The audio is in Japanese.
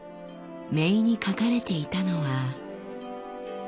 銘に書かれていたのは。